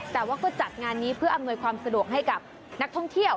แต่ว่าก็จัดงานนี้เพื่ออำนวยความสะดวกให้กับนักท่องเที่ยว